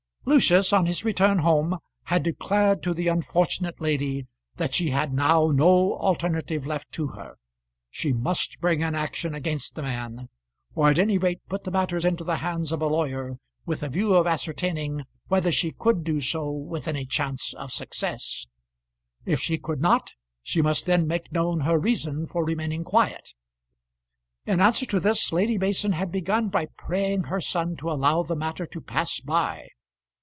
Lucius on his return home had declared to the unfortunate lady that she had now no alternative left to her. She must bring an action against the man, or at any rate put the matter into the hands of a lawyer with a view of ascertaining whether she could do so with any chance of success. If she could not, she must then make known her reason for remaining quiet. In answer to this, Lady Mason had begun by praying her son to allow the matter to pass by.